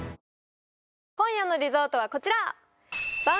今夜のリゾートはこちら！